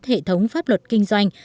hệ thống pháp luật kinh doanh